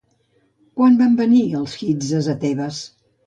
Quan van venir els hikses a Tebes?